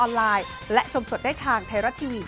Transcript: หล่อปลามากเลย